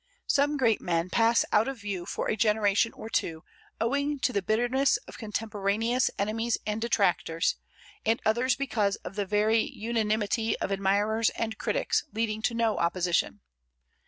Some great men pass out of view for a generation or two owing to the bitterness of contemporaneous enemies and detractors, and others because of the very unanimity of admirers and critics, leading to no opposition.